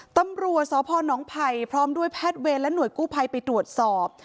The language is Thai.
ตำรวจสพนไผ่พร้อมด้วยแพทย์เวรและหน่วยกู้ภัยไปตรวจสอบ